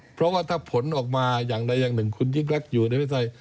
เพราะว่าถ้าผลออกมาอย่างใดอย่างหนึ่งคุณยิ่งรักอยู่ในประเทศไทย